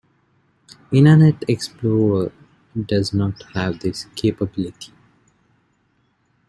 Internet Explorer does not have this capability.